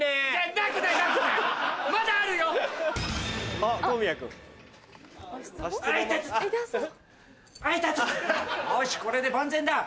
痛たよしこれで万全だ。